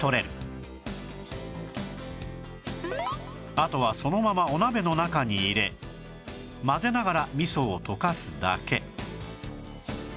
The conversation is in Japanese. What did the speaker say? あとはそのままお鍋の中に入れ混ぜながら味噌を溶かすだけ